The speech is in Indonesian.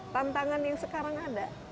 tantangan yang sekarang ada